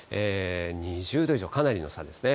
２０度以上、かなりの差ですね。